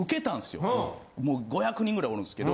もう５００人くらいおるんすけど。